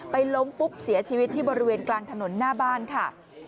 ล้มฟุบเสียชีวิตที่บริเวณกลางถนนหน้าบ้านค่ะ